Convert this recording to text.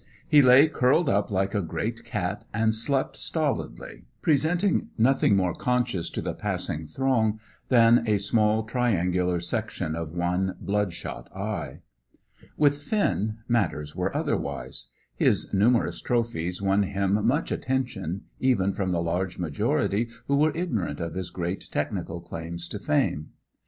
He lay curled, like a great cat, and slept stolidly, presenting nothing more conscious to the passing throng than a small triangular section of one blood shot eye. With Finn matters were otherwise. His numerous trophies won him much attention, even from the large majority who were ignorant of his great technical claims to fame.